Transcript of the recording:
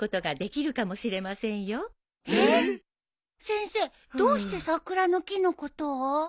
先生どうして桜の木のことを？